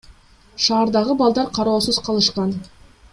Шаардагы балдар кароосуз калышкан.